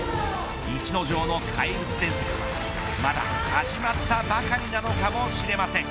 逸ノ城の怪物伝説まだ始まったばかりなのかもしれません。